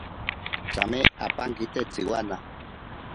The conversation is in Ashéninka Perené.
Tsame apankite tsiwana.